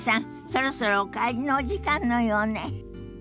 そろそろお帰りのお時間のようね。